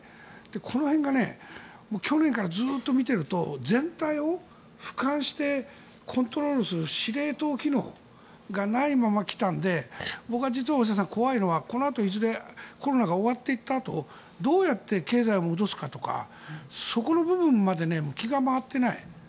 この辺が去年からずっと見ていると全体をふかんしてコントロールする司令塔機能がないまま来たので僕は実は大下さん、怖いのはこのあといずれコロナが終わっていったあとどうやって経済を戻すかとかそこの部分まで気が回ってない。